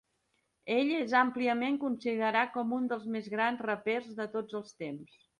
Ell és àmpliament considerat com un dels més grans rapers de tots els temps.